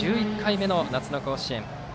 合計１１回目の夏の甲子園。